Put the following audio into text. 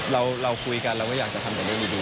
เราคุยกันเราก็อยากจะทำได้ดี